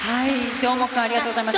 どーもくんありがとうございます。